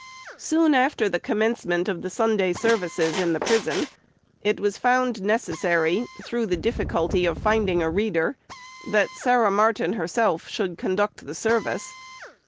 Soon after the commencement of the Sunday services in the prison, it was found necessary, through the difficulty of finding a reader, that Sarah Martin herself should conduct the service.